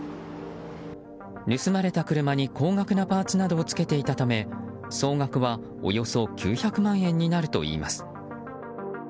盗まれた車に高額なパーツなどをつけていたため総額はおよそ９００万円になるといいます。